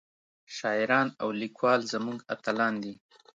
شاعران او ليکوال زمونږ اتلان دي